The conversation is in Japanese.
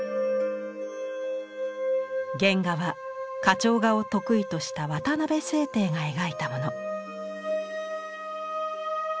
原画は花鳥画を得意とした渡辺省亭が描いたもの。